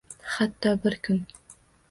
Hatto bir kun